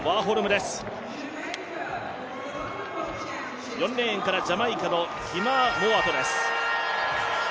４レーンからジャマイカのキマー・モウァトです。